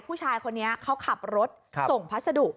ผู้ชายคนนี้เขาขับรถส่งพัสดุ